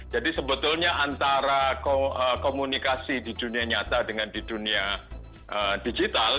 jadi sebetulnya antara komunikasi di dunia nyata dengan di dunia digital